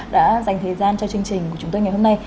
đã dành thời gian cho chương trình của chúng tôi ngày hôm nay